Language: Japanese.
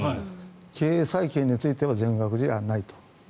経営再建については全額じゃないと。